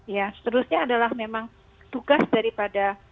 ya seterusnya adalah memang tugas daripada